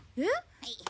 はい。